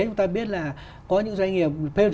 chúng ta biết là có những doanh nghiệp